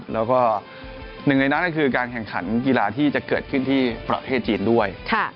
แล้วก็หนึ่งในนั้นก็คือการแข่งขันกีฬาที่จะเกิดขึ้นที่ประเทศจีนด้วย